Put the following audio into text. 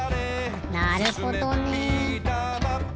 なるほどね。